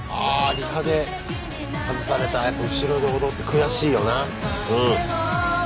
リハで外された後ろで踊って悔しいよな。